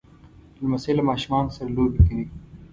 لمسی له ماشومو سره لوبې کوي.